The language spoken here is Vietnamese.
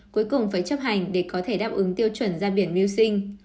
cuối cùng phải chấp hành để có thể đáp ứng tiêu chuẩn ra biển mưu sinh